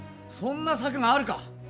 そんな策があるか！